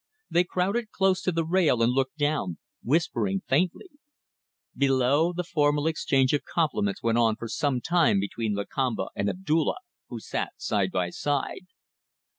They crowded close to the rail and looked down, whispering faintly. Below, the formal exchange of compliments went on for some time between Lakamba and Abdulla, who sat side by side.